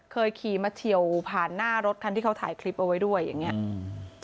เคยขี่มาเถียวผ่านหน้ารถที่เขาถ่ายคลิปเอาไว้ด้วยอย่างนี้